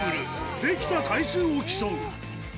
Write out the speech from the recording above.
できた回数を競う。